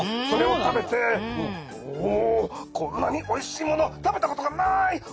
それを食べて「おこんなにおいしいもの食べたことがない。